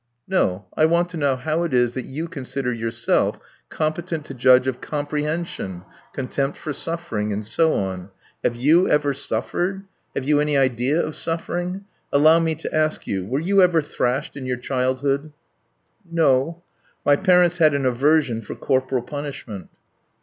"No, I want to know how it is that you consider yourself competent to judge of 'comprehension,' contempt for suffering, and so on. Have you ever suffered? Have you any idea of suffering? Allow me to ask you, were you ever thrashed in your childhood?" "No, my parents had an aversion for corporal punishment."